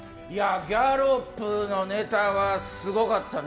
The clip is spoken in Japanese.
ギャロップのネタは凄かったね。